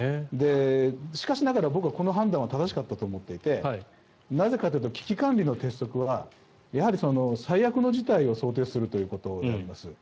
しかしながら、僕はこの判断は正しかったと思っていてなぜかというと危機管理の鉄則はやはり最悪の事態を想定するということであります。